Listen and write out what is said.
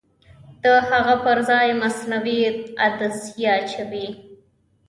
د هغه پرځای مصنوعي عدسیه اچوي.